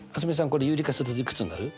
これ有利化するといくつになる？